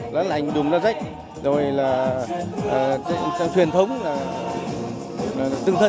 đó là hành đùm ra rách rồi là truyền thống là tương thân